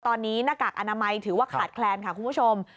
ตอนนี้หน้ากากอนามัยถือว่าขาดแคลนค่ะคุณผู้ชม